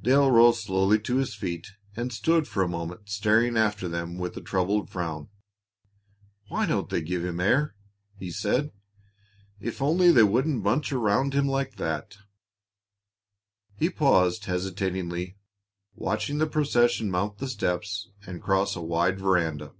Dale rose slowly to his feet, and stood for a moment staring after them with a troubled frown. "Why don't they give him air?" he said. "If only they wouldn't bunch around him like that " He paused hesitatingly, watching the procession mount the steps and cross a wide veranda.